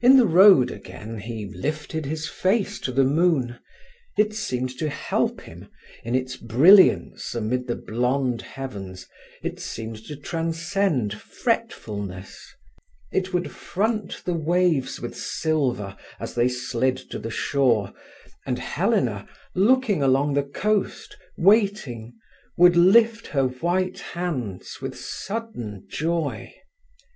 In the road again he lifted his face to the moon. It seemed to help him; in its brilliance amid the blonde heavens it seemed to transcend fretfulness. It would front the waves with silver as they slid to the shore, and Helena, looking along the coast, waiting, would lift her white hands with sudden joy.